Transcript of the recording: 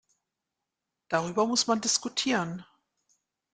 Darüber muss man diskutieren.